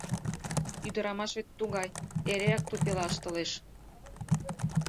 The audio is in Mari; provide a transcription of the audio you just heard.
Ӱдырамаш вет тугай: эреак тупела ыштылеш.